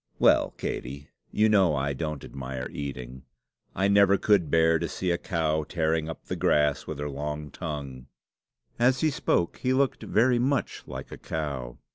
"Well, Katey, you know I don't admire eating. I never could bear to see a cow tearing up the grass with her long tongue." As he spoke he looked very much like a cow.